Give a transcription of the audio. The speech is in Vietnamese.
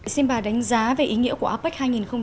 xin bà đánh giá về ý nghĩa của apec